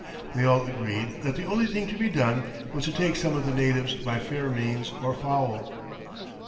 They all agreed that the only thing to be done was to take some of the natives by fair means or foul.